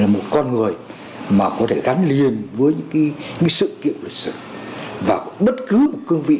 một con người mà có thể gắn liền với những sự kiện lịch sử vào bất cứ một cương vị